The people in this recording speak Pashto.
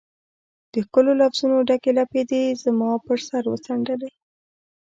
د ښکلو لفظونو ډکي لپې دي زما پر سر وڅنډلي